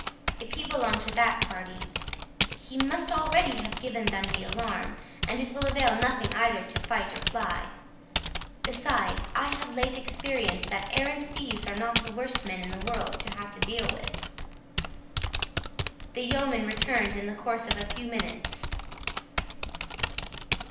If he belong to that party, he must already have given them the alarm, and it will avail nothing either to fight or fly. Besides, I have late experience, that errant thieves are not the worst men in the world to have to deal with." The yeoman returned in the course of a few minutes.